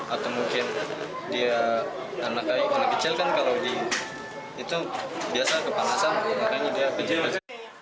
atau mungkin dia anak kecil kan kalau di itu biasa kepanasan warnanya dia kecil